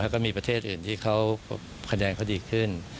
แล้วก็มีประเทศอื่นที่เขาคะแนนเขาดีขึ้น